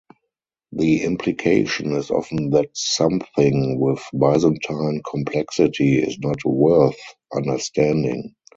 The implication is often that something with Byzantine complexity is not "worth" understanding.